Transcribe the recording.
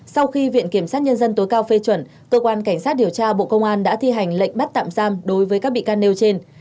sau khi viện kiểm sát nhân dân tối cao phê chuẩn cơ quan cảnh sát điều tra bộ công an đã thi hành lệnh bắt tạm giam đối với các bị can nêu trên